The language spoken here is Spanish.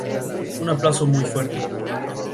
Un aplauso muy fuerte".